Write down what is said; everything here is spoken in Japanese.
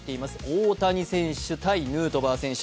大谷選手×ヌートバー選手。